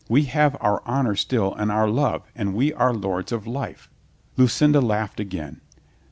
We have our honor still and our love, and we are lords of life." Lucinda laughed again.